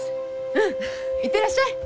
うん行ってらっしゃい！